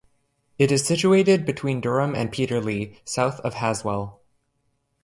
It is situated between Durham and Peterlee, south of Haswell.